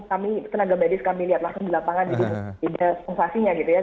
kami tenaga medis kami lihat langsung di lapangan jadi beda sensasinya gitu ya